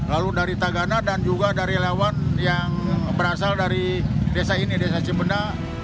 lalu dari tagana dan juga dari lewat yang berasal dari desa ini desa cibenda